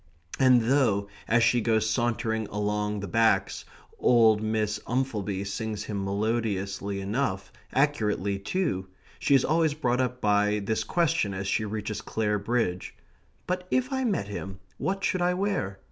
And though, as she goes sauntering along the Backs, old Miss Umphelby sings him melodiously enough, accurately too, she is always brought up by this question as she reaches Clare Bridge: "But if I met him, what should I wear?"